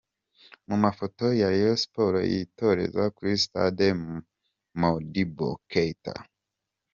Mu mafoto, Rayon Sports yitoreza kuri Stade Modibo Keita.